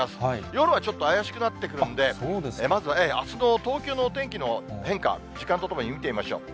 夜はちょっと怪しくなってくるんで、まずあすの東京のお天気の変化、時間とともに見てみましょう。